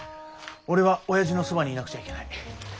俺はおやじのそばにいなくちゃいけない。